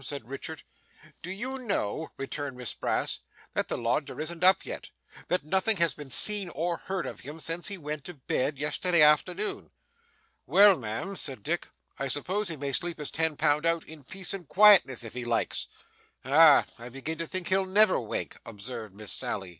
said Richard. 'Do you know,' returned Miss Brass, 'that the lodger isn't up yet that nothing has been seen or heard of him since he went to bed yesterday afternoon?' 'Well, ma'am,' said Dick, 'I suppose he may sleep his ten pound out, in peace and quietness, if he likes.' 'Ah! I begin to think he'll never wake,' observed Miss Sally.